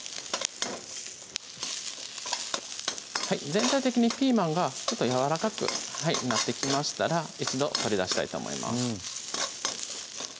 全体的にピーマンがやわらかくなってきましたら一度取り出したいと思います